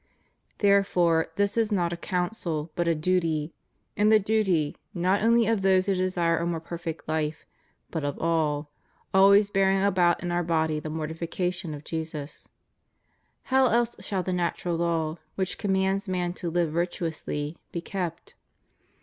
Therefore this is not a counsel, but a duty; and the duty, not only of those who desire a more perfect life, but of all — always hearing about in our body the mortification of Jesus} How else shall the natural law, which commands man to live virtuously, be kept?